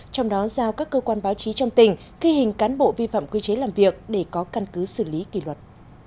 trong đó giao các cơ quan báo chí trong tỉnh ghi hình cán bộ vi phạm quy chế làm việc để có căn cứ xử lý kỷ luật